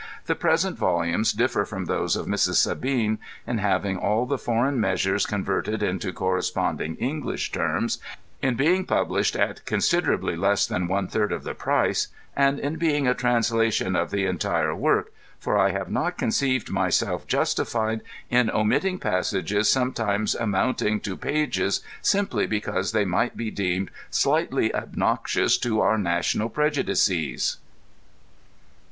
The present volumes differ from those of Mis. Sabine in having all the foreign measures converted into correspond ing English terms, in being published at coasiderably less than one third of the price, and in being a translation of the entire work, for I have not conceived myself justified in omit ting passages, sometimes amounting to pages, simply because they might be deemed slightly obnoxious to our national prej udices.